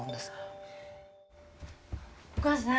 お母さん